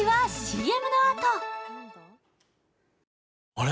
あれ？